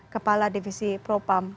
kepala divisi propam